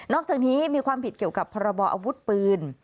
อกจากนี้มีความผิดเกี่ยวกับพรบออาวุธปืน